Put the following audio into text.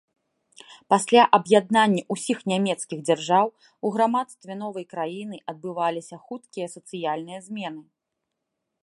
Пасля аб'яднання ўсіх нямецкіх дзяржаў, у грамадстве новай краіны адбываліся хуткія сацыяльныя змены.